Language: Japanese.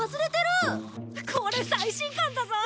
これ最新刊だぞ！